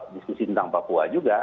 diskusi tentang papua juga